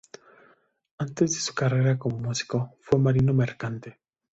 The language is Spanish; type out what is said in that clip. Antes de su carrera como músico, fue marino mercante.